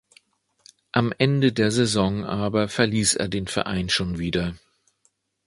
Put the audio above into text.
Am Ende der Saison aber verließ er den Verein schon wieder.